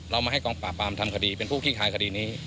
เรามาให้กองปราบปรามทำคดีเป็นผู้ขี้คลายคดีนี้